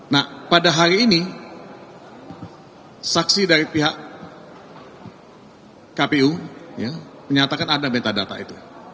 nah pada hari ini saksi dari pihak kpu menyatakan ada beta data itu